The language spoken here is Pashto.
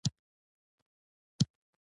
ورزش د بدن ځواکمني زیاتوي.